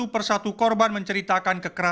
bukan begitu karena